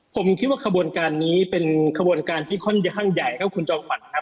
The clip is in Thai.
ผมคิดว่าขบวนการนี้เป็นขบวนการที่ค่อนข้างใหญ่ครับคุณจอมขวัญครับ